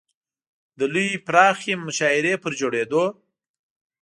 د لویې پراخې مشاعرې پر جوړېدو.